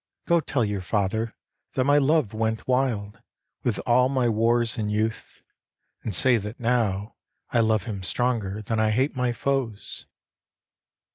Go tell your father that my love went wild With all my wars in youth, and say that now I love him stronger than I hate my foes.